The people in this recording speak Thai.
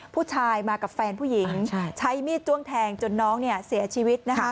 ผู้ชายมากับแฟนผู้หญิงใช้มีดจ้วงแทงจนน้องเสียชีวิต